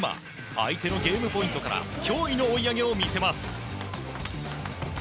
相手のゲームポイントから驚異の追い上げを見せます。